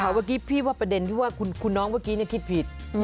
เมื่อกี้พี่ว่าประเด็นที่ว่าคุณน้องเมื่อกี้คิดผิด